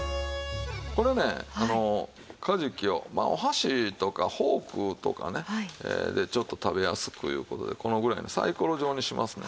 これねカジキをまあお箸とかフォークとかでちょっと食べやすくいう事でこのぐらいのさいころ状にしますねん。